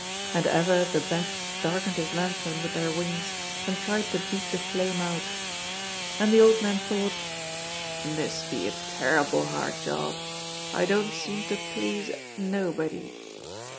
And ever the bats darkened his lanthorn with their wings and tried to beat the flame out. And the old man thought: "This be a terrible hard job; I don't seem to please nobody."